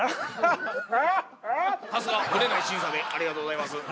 さすがブレない審査でありがとうございます。